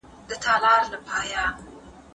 د دوی اصلي توپير د پاملرني په مرکز کي دی.